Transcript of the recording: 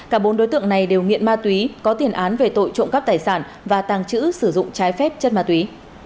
cả bốn đối tượng này đều nghiện ma túy có tiền án về tội trộm cắp tài sản và tàng trữ sử dụng trái phép chất ma túy